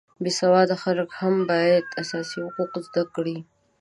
بې سواده خلک هم باید اساسي حقوق زده کړي